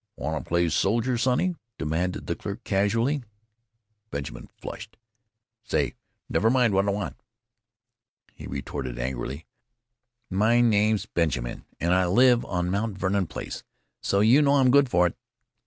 "Want to play soldier, sonny?" demanded a clerk casually. Benjamin flushed. "Say! Never mind what I want!" he retorted angrily. "My name's Button and I live on Mt. Vernon Place, so you know I'm good for it."